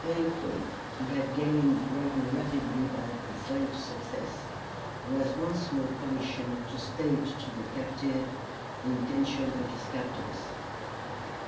Ungque, who had gained ground rapidly by his late success, was once more commissioned to state to the captive the intentions of his captors.